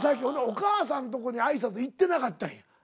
ほんでお義母さんとこに挨拶行ってなかったんや。